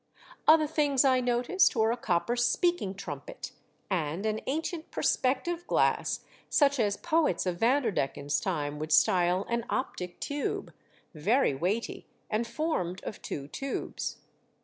Other things I noticed were a copper speaking trumpet and an ancient perspective WY ZYK AL VERDOMD. 99 glass — such as poets of Vanderdecken's time would style an optic tube — very weighty, and formed of two tubes.